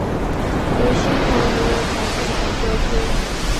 由新城娱乐台现场播出。